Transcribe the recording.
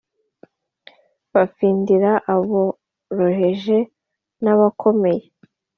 Bafindira aboroheje n abakomeye